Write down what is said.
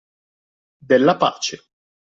Della pace